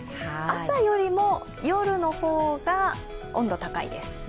朝よりも、夜の方が温度高いです。